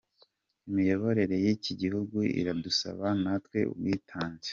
Imiyoborere y’iki gihugu iradusaba natwe ubwitange".